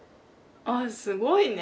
ああ、すごいね。